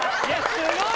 すごい！